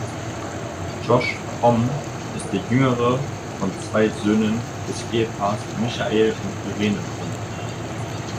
Josh Homme ist der jüngere von zwei Söhnen des Ehepaars Michael und Irene Homme.